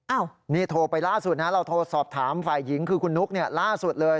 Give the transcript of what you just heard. นี่โทรไปล่าสุดนะเราโทรสอบถามฝ่ายหญิงคือคุณนุ๊กเนี่ยล่าสุดเลย